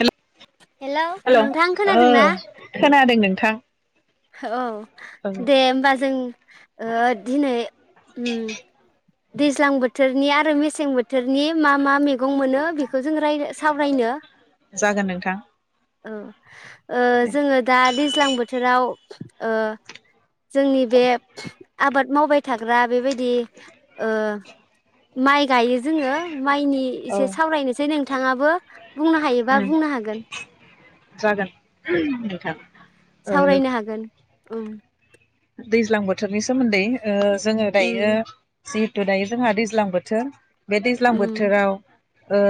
Hello नोंथां हेल' खोनादोंना खोना दों नोंथां। औ। औ दे होमबा जों ओ दिनै उम दैज्लां बोथोरनि आरो मेसें बोथोरनि मा मा मे गं मोनो बेखौ जों राय सावरायनो जागोन नोंथां। ओ ओ दे जोङो दा दैज्लां बोथोराव ओ जोंनि बे आबाद मावबाय थाग्रा बेबायदि ओ माइ गायो जोङो माइनि औ इसे सावरायनोसै नोंथाङा बो बुंनो हायोबा उम बुंनो हागोन जागोन नोंथां ओ सावरायनो हागोन। उम दैज्लां बोथोरनि सोमोन्दै ओ जोङो दायो उम जिहेटु दायो जोंहा दैज्लां बोथोर। बे दैज्लां उम बोथोराव ओ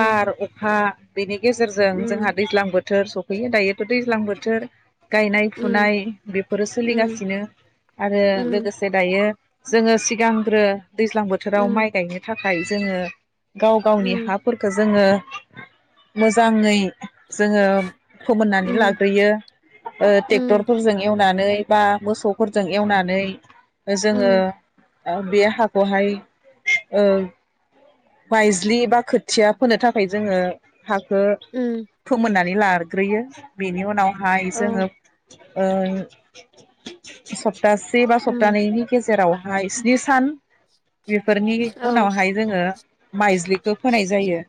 बार अखा बेनि गेजेरजों उम जोंहा दैज्लां बो थोर सफैयो दायोथ' दैज्लां बोथोर। गायनाय उम फुनाय बेफोरो सोलिगा उम सिनो आरो उम लोगोसे दायो जोङो सिगांग्रो दैज्लां बोथोराव उम माइ गायनो था खाय जोङो गाव गावनि उम हाफोरखो जोङो मोजाङै जोङो फोमोननानै उम लाग्रोयो। ओ उम टेक्टरफोरजों एवना मै बा मोसौफोरजों एवनानै जोङो उम बे हाखौहाय ओ बायज्लि बा खोथिया फोनो थाखै जोङो हाखो उम फोमोनना नै लारग्रोयो बिनि उनाव हाय औ जोङो ओ [unintelligible] सप्तासे बा उम सप्तानैनि गेजेरावहाय स्नि सान बेफोरनि औ उनावहाय जोङो माइज्लिखौ फोनाय जायो।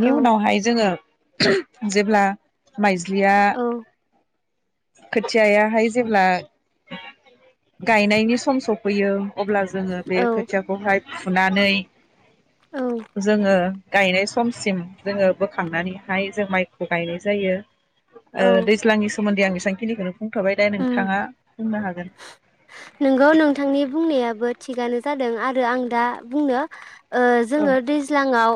औ उनावहाय जोङो जेब्ला माइ ज्लिया औ खोथियाहाय जेब्ला गायनायनि सम सफैयो। अब्ला जोङो बे औ खोथियाखौहाय फुनानै औ जोङो गायनाय समसिम जोङो बोखांनानैहाय जों माइखौ गायनाय जायो। औ ओ दैज्लांनि सोमोन्दै आं एसे [unintelligible] बुंथ'बाय दे उम नोंथांङा नोंगौ नोंथांनि बुंनायाबो थिगानो जादों आरो आं दा बुंनो ओ औ जोङो दैज्लाङाव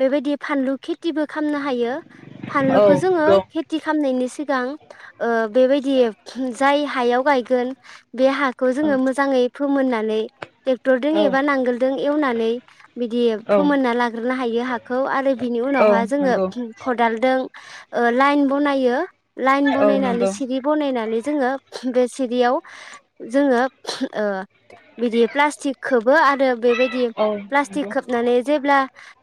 बेबायदि फानलु खेथिबो खामना हायो औ फानलुखौ जोङो नंगौ खेति खामनायनि सिगां ओ बेबायदि जाय हायाव गायगोन बे हाखौ औ जोङो मोजाङै फोमोननानै दरदों औ एबा औ नांगोलजों एवनानै बिदि फोमोनना लाग्रोनो हायो हाखौ आरो बिनि औ उनावहा जोङो नंगौ खदालदों ओ लाइन बनायो। लाइन औ बनायनानै नंगौ सि सिरि बनायनानै जोङो बे सिरियाव जोङो ओ बिदि प्लास्टिक खोबो आरो बेबायदि औ नंगौ औ प्लास्टिक खोबनानै जेब्ला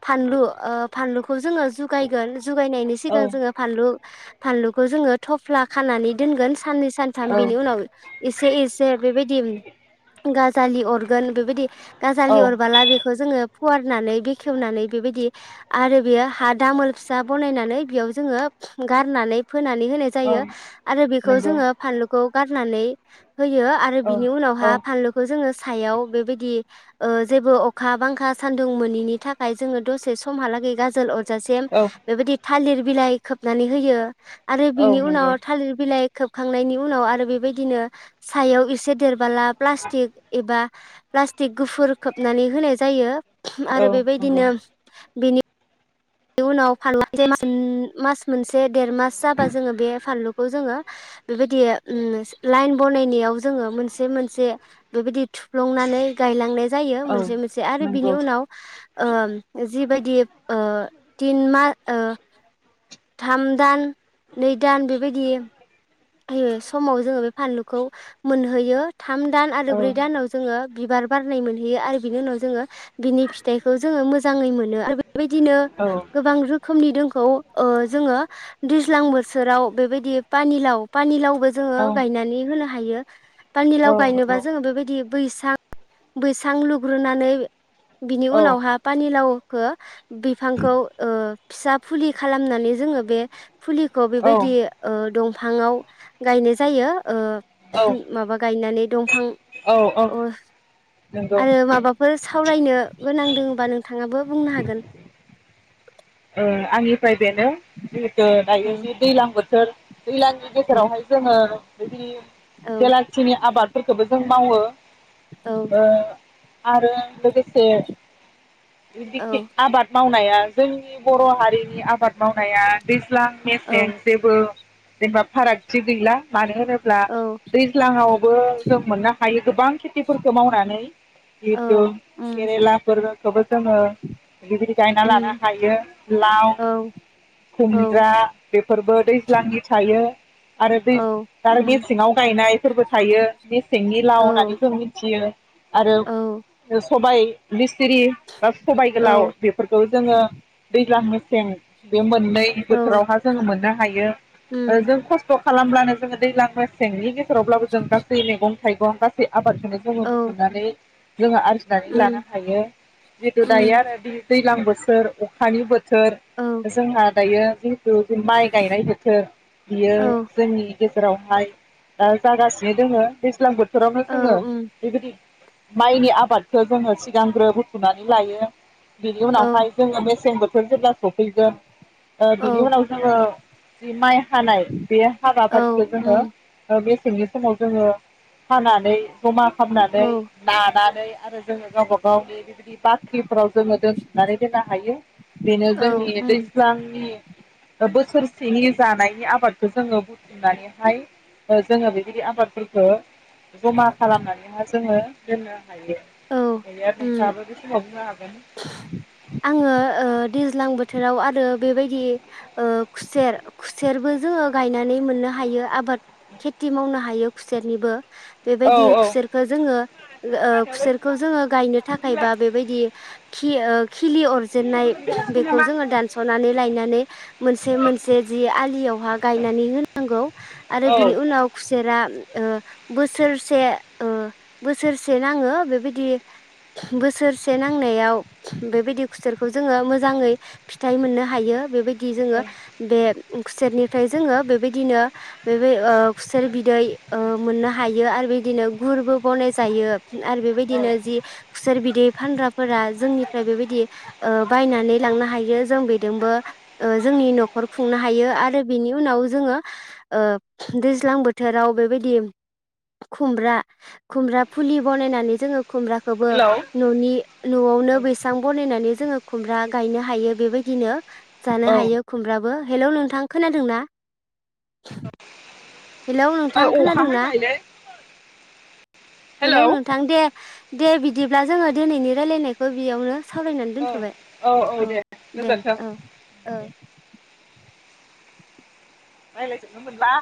फानलु ओ फानलु खौ जोङो जुगायगोन जुगायनायनि सिगां जोङो फानलु फानलुखौ जोङो थफ्ला खानानै दोनगोन साननै सानथाम बिनि औ उनाव एसे एसे बेबायदि गाजालि अरगोन बेबायदि गाजालि अरबोला बेखौ जोङो फुवारनानै बेखेवनानै बेबायदि आरो बेयो हा दामोल फिसा बनायनानै बेयाव जोङो गारनानै फोनानै होनाय जायो। आरो बेखौ नंगौ जोङो फानलुखौ खौ गारनानै होयो आरो औ बिनि औ उनावहा फानलुखौ जोङो सायाव बेबायदि ओ जेबो अखा बांखा सान्दुं मोनिनि थाखाय जोङो दसे समहालागै गाजोल अ रजासिम औ बेबायदि थालिर बिलाइ खोबनानै होयो आरो औ बिनि उनाव नंगौ थालिर बिलाइ खोबखांनायनि उनाव आरो बेबायदिनो सायाव एसे देरबोला प्लास्टिक एबा प्लास्टिक गुफुर खोबनानै होनाय जायो औ आरो नंगौ बेबायदिनो बिनि बेनि उनाव फानलुआ ओम मास मोनसे देर मास जाबा जोङो बे फानलुखौ जोङो बेबायदि ओम लाइन बनायनायाव जोङो मोनसे मोनसे बेबायदि थुफ्लुंनानै गायलांनाय जायो औ मोनसे मोनसे आरो बिनि नंगौ उनाव ओ जिबायद गेब ओ तिन मा ओ थाम दान नै दान बेबायदि बे समाव जोङो बे फानलुखौ मोनहैयो थाम दान औ आरो ब्रै दानाव जोङो बिबार बारनाय मोनहैयो आरो बिनि उनाव जोङो बिनि फिथाइखौ जोङो मोजाङै मोनो आरो बेबायदिनो गोबां रोखोमनि दो खौ ओ जोङो दैज्लां बोथोराव बेबायदि पानिलाव पानिलाव बो जोङो गायनानै होनो हायो पानिलाव गायनोबा जोङो बेबायदि बैसां बैसां लुग्रोनानै बिनि उनावहा पानिलाव खौ बिफांखौ ओ फिसा फुलि खालामनानै जोङो बे फुलिखौ औ बेबायदि ओ दंफ फाङाव गायनो जायो। ओ औ माबा गायनानै दंफां औ अ नंगौ आरो माबाफोर सावरायनो गोनां दोङोबा नों नोंथाङाबो बुंनो हागोन। ओ आंनिफ्राय बेनो जिहेथु दायो औ जि दैलां बोथोर दैलांनि औ गेजेरावहाय जोंङो बेबायदि औ बेलासिनि आबादफोरखोबो दोंबावो ओ आरो लोगोसे रिदिक औ थिक आबाद मावनाया [unintelligible] जोंनि बर' हारिनि आबाद मावनाया दैज्लां औ मेसें जेबो जेनबा फारागथि गैला। मानो होनोब्ला औ दैज्लाङावबो जों मोननो हायि गोबां खेथिफोरखौ मावनानै जि औ हेतु उम केरेलाफोर सब [unintelligible] जोङो बिबायदि गायना लानो उम हायो। लाव औ औ खुमब्रा बेफोरबो दैज्लांनि थायो आरो दै औ आरो उम मेसेङाव गायनाय फोरबो थायो बि सिंनि लाव औ होननानै जों मिथियो। आरो औ बोस सबायाइ बिस सिरि बा सबाय गोलाव औ बेफोरखौ जोङो दैज्लां मेसें बे मोन नै औ बोथोरावहा जोंङो मोननो हायो उम जों खस्थ' खालामब्लानो जोंङो दैज्लांग्रा मेसेंनि गेज फोरावब्लाबो जों गासै मैगं थाइगं गासै आबादखौनो जोङो औ बुनानै जोंङा आथि खालनिखो लानो उम हायो जिहेतु दायो उम आरो बे दैज्लां बो सोर अखानि बोथोर थोर औ ओ जोंहा दायो दोजो माइ गायनाय बोथोर बियो औ जोंनि गेजेरावहाय दा जागासिनो दोङो दैज्लां बोथो बोथोरावनो जोङो औ उम बेबायदि माइनि आबादखौ जोङो सिगांग्रो बुथुनानै लायो। बिनि औ उनावहाय जोङो मे मेसें बोथोर जेब्ला सफैगोन ओ औ बिनि उनाव जोङो बि माय हानाय बे औ हाबाफारिखौ जोङो उम ओ मे मेसेंनि समाव जोङो हानानै जमा औ खालामनानै लानानै [inaudible] नै आरो जोङो गावबा गावनि बिबादि बाख्रिफोराव जोङो दोनथुमनानै दोनो हायो। बेनो औ जोंनि उम दैस्लांनि ओ बोसोरसेनि जानायनि आबादखौ जोङो बुथुमनानैहाय ओ जोङो बेबायदि आबादफोरखो जमा खालामनानैहा जोङो दोननो हायो औ उम [unintelligible] बुंनो हागोन। आङो ओ दैज्लां बोथोराव आरो बेबायदि ओ खुसेर खुसेरबो जोङो गायनानै मोननो हायो आबाद खेथि मावनो हायो खुसेरनिबो। औ बेबायदि औ खुसेरखो जोङो ओ बिखौ जोङो गायनो थाखाय बा बेबायदि खि ओ खिलि अरजेन्नाय बेखौ जोङो दानस'नानै लायना औ ओ बोसोरसे ओ बोसोरसे नाङो बेबायदि बोसोरसे नांनायाव बेबायदि खुसेरखौ जोङो मोजाङै फिथाइ मोननो हायो बेबायद दि जोङो बे खुसेरनिफ्राय जोङो बेबायदिनो बेबे ओ खुसेर बिदै ओ मोननो हायो आरो बेदिनो गुरबो बनाय जायो। आरो औ बेबायदिनो जि खुसेर बिदै फानग्राफोरा जोंनिफ्राय बेबायदि ओ बायनानै लांनो हायो जों बेदोंबो ओ जोंनि न'खर खुंनो हायो आरो बेनि उनाव जोङो ओ दैज्लां बोथोराव बेबायदि खुमब्रा खुमब्रा फुलि बनायनानै जोङो खुमब्राखौबो हेलौ ननि न'आवनो बैसां बनायनानै जोङो खुमब्रा गायनो हायो बेबायदिनो जानो ओ हायो खुमब्राबो हेलौ नोंथां खोनादों ना? [inaudible] हेलौ नोंथां अखा खोनादोंना हाबायलै हेलौ नोंथां दे दे बिद दिब्ला जोङो दिनैनि रायलायनायखौ बियावनो सावरायनानै औ दोनथ'बाय औ दे औ ओ रायलाय जोबनो मोनला